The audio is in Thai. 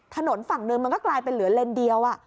ถนนฝั่งหนึ่งมันก็กลายเป็นเหลือเลนเดียว